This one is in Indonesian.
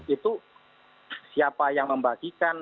itu siapa yang membagikan